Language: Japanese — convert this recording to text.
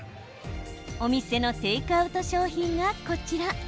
お店のテイクアウト商品がこちら。